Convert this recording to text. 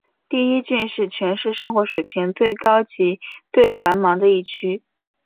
第一郡是全市生活水平最高及最繁忙的一区。